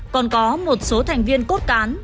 còn có một số thành viên cốt cán